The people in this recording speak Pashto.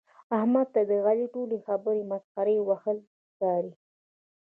احمد ته د علي ټولې خبرې مسخرې وهل ښکاري.